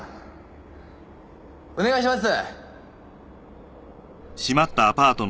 お願いします。